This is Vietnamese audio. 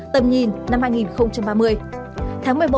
tầm nhìn năm hai nghìn ba mươi